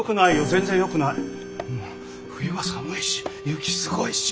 冬は寒いし雪すごいし。